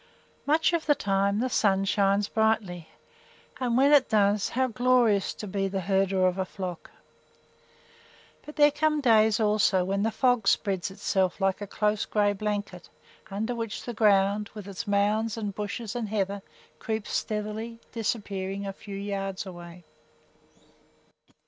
Much of the time the sun shines brightly, and when it does, how glorious to be the herder of a flock! But there come days also when the fog spreads itself like a close gray blanket, under which the ground, with its mounds and bushes and heather, creeps stealthily, disappearing a few yards away.